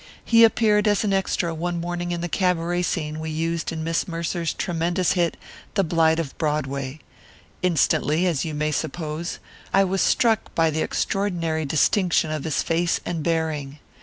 He appeared as an extra one morning in the cabaret scene we used in Miss Mercer's tremendous hit, The Blight of Broadway. Instantly, as you may suppose, I was struck by the extraordinary distinction of his face and bearing.